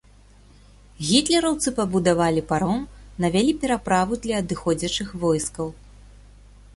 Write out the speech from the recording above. Гітлераўцы пабудавалі паром, навялі пераправу для адыходзячых войскаў.